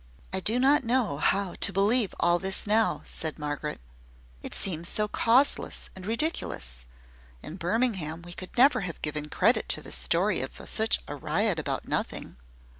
"I do not know how to believe all this now," said Margaret; "it seems so causeless and ridiculous! In Birmingham we could never have given credit to the story of such a riot about nothing."